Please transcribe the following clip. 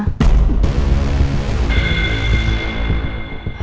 tidak ada yang nanya